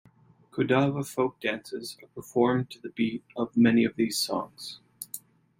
Kodava folk dances are performed to the beat of many of these songs.